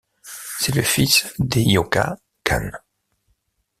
C'est le fils d'Ayouka Khan.